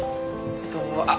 えっとあっ